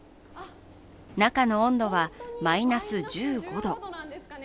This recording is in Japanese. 中の温度はマイナス１５度。